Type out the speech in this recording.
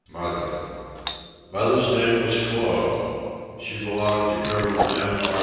MOTHER. Mother's name was Chloe. She belonged to Col. M.R.